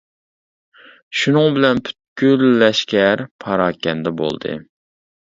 شۇنىڭ بىلەن پۈتكۈل لەشكەر پاراكەندە بولدى.